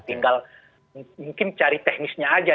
tinggal mungkin cari teknisnya aja